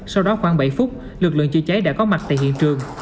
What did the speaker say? sau đó khoảng bảy phút lực lượng chữa cháy đã có mặt tại hiện trường